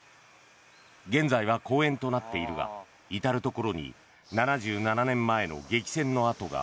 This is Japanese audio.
現在は公園となっているが至るところに７７年前の激戦の跡が